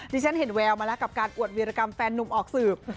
ฉันเห็นแววมาแล้วกับการอวดวิรกรรมแฟนนุ่มออกสืบ